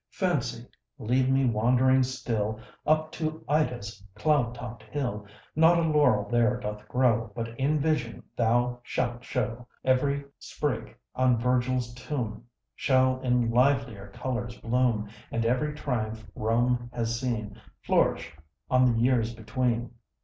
Fancy, lead me wandering still Up to Ida's cloud topt hill; Not a laurel there doth grow But in vision thou shalt show, Every sprig on Virgil's tomb Shall in livelier colours bloom, And every triumph Rome has seen Flourish on the years between.